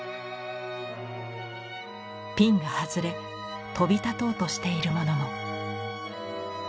ピンが外れ飛び立とうとしているものも。